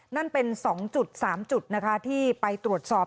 นั่นเป็น๒๓จุดนะคะที่ไปตรวจสอบ